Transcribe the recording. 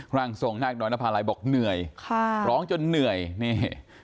ร่างทรงนาคน้อยนภาลัยบอกเหนื่อยค่ะร้องจนเหนื่อยนี่